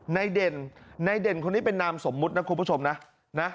เด่นในเด่นคนนี้เป็นนามสมมุตินะคุณผู้ชมนะนะ